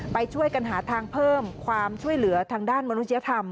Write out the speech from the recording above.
ไปช่วยกันหาทางเพิ่มความช่วยเหลือทางด้านมนุษยธรรม